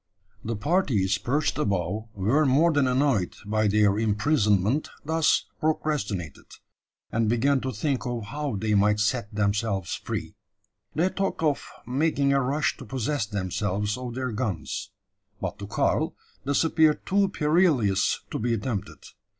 The parties perched above were more than annoyed by their imprisonment thus procrastinated, and began to think of how they might set themselves free. They talked of making a rush to possess themselves of their guns; but to Karl this appeared too perilous to be attempted.